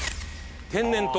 天然痘。